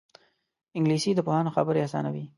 انګلیسي د پوهانو خبرې اسانوي